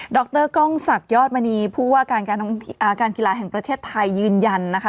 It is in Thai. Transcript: ดรก้องศักยอดมณีพูดว่าการการอ่าการกีฬาแห่งประเทศไทยยืนยันนะคะ